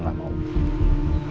gimana kamu menurut kamu